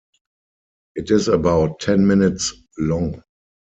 It is about ten minutes long.